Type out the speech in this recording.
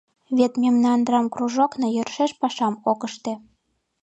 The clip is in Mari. Вет мемнан драмкружокна йӧршеш пашам ок ыште.